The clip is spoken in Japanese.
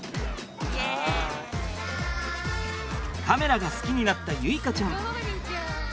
カメラが好きになった結花ちゃん。